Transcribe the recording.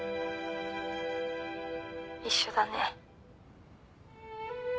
一緒だね。